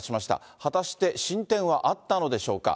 果たして進展はあったのでしょうか。